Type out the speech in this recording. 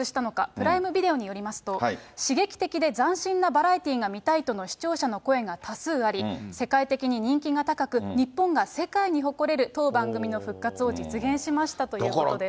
プライムビデオによりますと、刺激的で斬新なバラエティーが見たいとの視聴者の声が多数あり、世界的に人気が高く、日本が世界に誇れる当番組の復活を実現しましたということです。